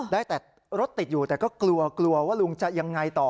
ได้แต่รถติดอยู่แต่ก็กลัวกลัวว่าลุงจะยังไงต่อ